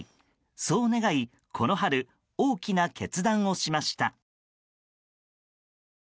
そう願い、この春大きな決断をしました。